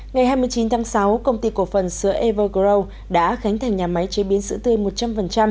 ngày hai mươi chín tháng sáu công ty cổ phần sữa evergro đã khánh thành nhà máy chế biến sữa tươi một trăm linh